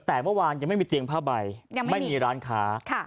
แต่เมื่อวานยังไม่มีเตียงผ้าใบยังไม่มีไม่มีร้านค้าค่ะ